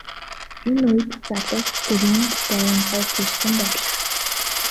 Энэ үед залуус өрөөнд дайран орж ирсэн байлаа.